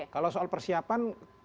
kalau soal persiapan